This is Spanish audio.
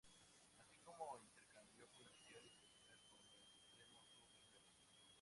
Así como intercambio comercial y social con el extremo sur del Perú.